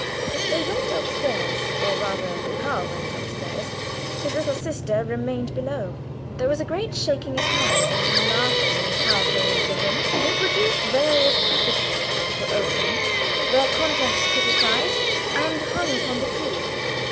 They went upstairs, or rather Karl went upstairs; his little sister remained below. There was a great shaking of hands and some laughing when Karl came into the room. He produced various packages which were opened, their contents criticised, and hung upon the tree.